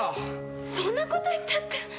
そんなこと言ったって。